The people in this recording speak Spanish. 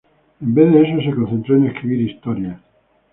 En vez de eso se concentró en escribir historias.